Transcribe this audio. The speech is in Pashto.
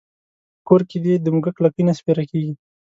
کور کې دې د موږک لکۍ نه سپېره کېږي.